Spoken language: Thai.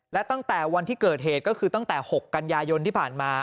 และตั้งแต่วันที่เกิดเหตุก็คือตั้งแต่๖กันยายนที่ผ่านมา